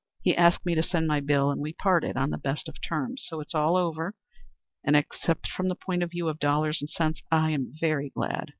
He asked me to send my bill, and we parted on the best of terms. So it is all over, and except from the point of view of dollars and cents, I am very glad.